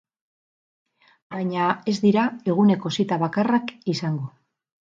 Baina ez dira eguneko zita bakarrak izango.